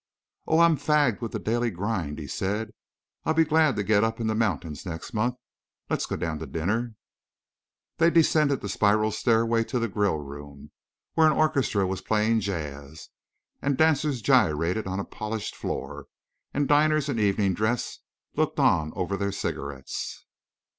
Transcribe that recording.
"Oh, I'm fagged with the daily grind," he said. "I'll be glad to get up in the mountains next month. Let's go down to dinner." They descended the spiral stairway to the grillroom, where an orchestra was playing jazz, and dancers gyrated on a polished floor, and diners in evening dress looked on over their cigarettes.